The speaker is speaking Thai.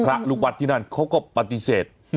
ลูกวัดที่นั่นเขาก็ปฏิเสธ